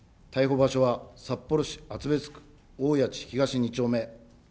逮捕場所は札幌市厚別区おおやち東２丁目。